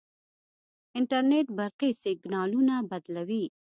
انټرنیټ برقي سیګنالونه بدلوي.